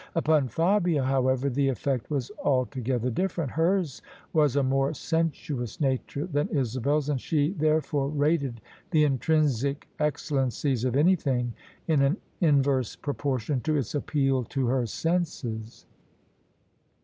Upon Fabia, however, the effect was altogether different. Hers was a more sensuous nature than Isabel's and she therefore rated the intrinsic excellencies of anything in an inverse proportion to its appeal to her senses.